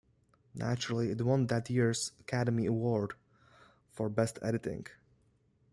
Naturally, it won that year's Academy Award for Best Editing.